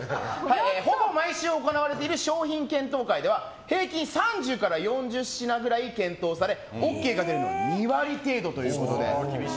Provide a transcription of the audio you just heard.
ほぼ毎週行われている商品検討会では平均３０から４０品ぐらい検討されＯＫが出るのは２割程度ということで。